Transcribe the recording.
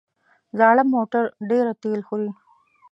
زاړه موټر ډېره تېل خوري.